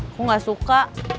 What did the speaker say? aku gak suka